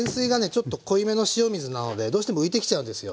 ちょっと濃いめの塩水なのでどうしても浮いてきちゃうんですよ